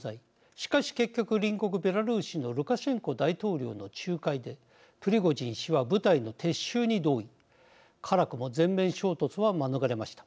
しかし結局隣国ベラルーシのルカシェンコ大統領の仲介でプリゴジン氏は部隊の撤収に同意辛くも全面衝突は免れました。